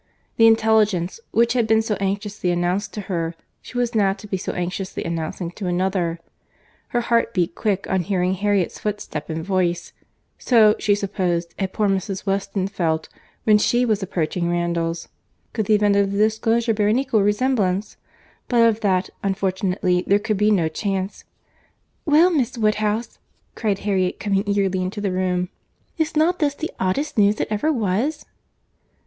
The intelligence, which had been so anxiously announced to her, she was now to be anxiously announcing to another. Her heart beat quick on hearing Harriet's footstep and voice; so, she supposed, had poor Mrs. Weston felt when she was approaching Randalls. Could the event of the disclosure bear an equal resemblance!—But of that, unfortunately, there could be no chance. "Well, Miss Woodhouse!" cried Harriet, coming eagerly into the room—"is not this the oddest news that ever was?"